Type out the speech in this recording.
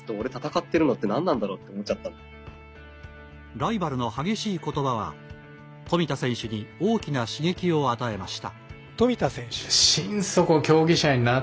ライバルの激しいことばは富田選手に大きな刺激を与えました。